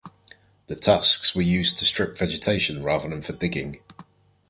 The tusks were used to strip vegetation rather than for digging.